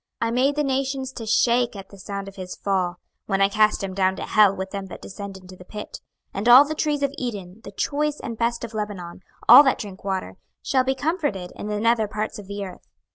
26:031:016 I made the nations to shake at the sound of his fall, when I cast him down to hell with them that descend into the pit: and all the trees of Eden, the choice and best of Lebanon, all that drink water, shall be comforted in the nether parts of the earth.